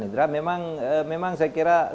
hidra memang saya kira